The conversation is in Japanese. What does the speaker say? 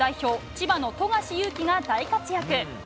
千葉の富樫勇樹が大活躍。